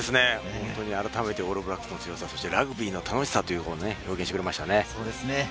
改めてオールブラックスの強さ、ラグビーの楽しさを表現してくれましたね。